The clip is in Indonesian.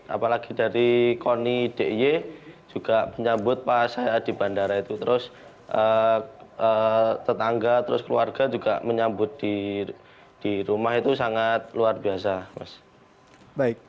apalagi dari koni d i y juga menyambut pas saya di bandara itu terus tetangga terus keluarga juga menyambut di rumah itu sangat luar biasa mas